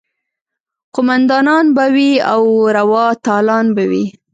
قوماندانان به وي او روا تالان به وي.